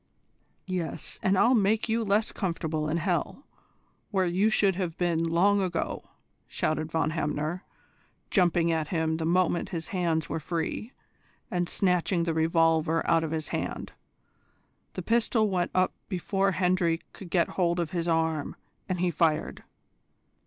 "Yes, and I'll make you less comfortable in Hell, where you should have been long ago," shouted Von Hamner, jumping at him the moment his hands were free, and snatching the revolver out of his hand. The pistol went up before Hendry could get hold of his arm, and he fired.